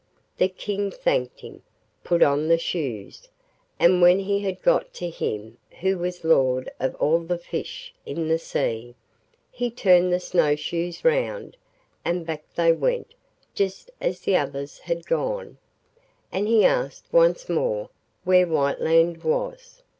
The King thanked him, put on the shoes, and when he had got to him who was Lord of all the fish in the sea, he turned the snow shoes round, and back they went just as the others had gone, and he asked once more where Whiteland was.